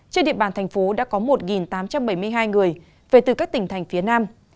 trên địa bàn thành phố đã có một tám trăm bảy mươi hai người về từ các tỉnh thành phía nam